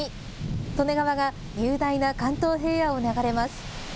利根川が雄大な関東平野を流れます。